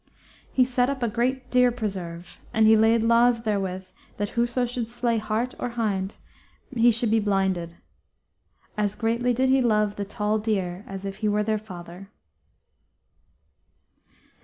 He set up a great deer preserve, and he laid laws therewith that whoso should slay hart or hind, he should be blinded. As greatly did he love the tall deer as if he were their father."